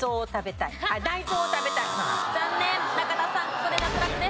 ここで脱落です。